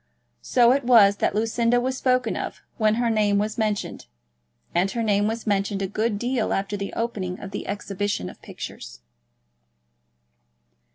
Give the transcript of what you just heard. So it was that Lucinda was spoken of when her name was mentioned; and her name was mentioned a good deal after the opening of the exhibition of pictures.